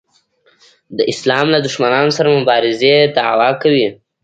د اسلام له دښمنانو سره مبارزې دعوا کوي.